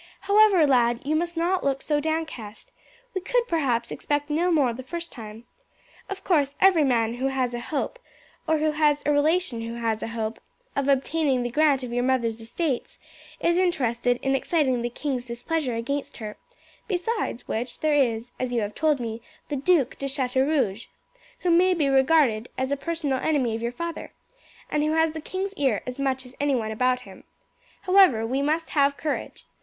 However, lad, you must not look so downcast. We could perhaps expect no more the first time. Of course every man who has a hope, or who has a relation who has a hope, of obtaining the grant of your mother's estates is interested in exciting the king's displeasure against her; besides which there is, as you have told me, the Duc de Chateaurouge, who may be regarded as a personal enemy of your father, and who has the king's ear as much as anyone about him. However, we must have courage.